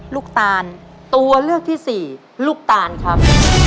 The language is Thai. ตานตัวเลือกที่สี่ลูกตานครับ